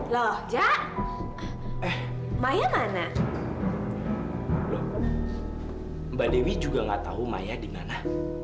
loh mbak dewi juga gak tau maya dimana